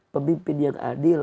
pemimpin yang adil